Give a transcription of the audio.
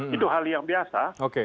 itu hal yang biasa